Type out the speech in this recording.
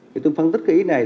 thì tôi phân tích cái ý này